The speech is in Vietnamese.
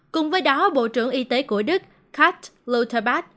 cùng với đó bộ trưởng y tế của đức kat louterbat